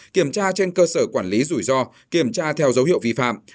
kiểm tra trên cơ sở quản lý rủi ro kiểm tra theo dấu hiệu vi phạm